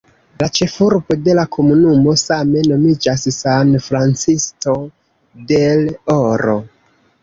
La ĉefurbo de la komunumo same nomiĝas "San Francisco del Oro".